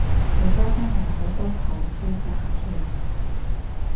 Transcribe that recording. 而家真係好多投資詐騙